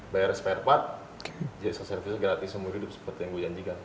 bayar spare part servisnya gratis semua hidup seperti yang gue janjikan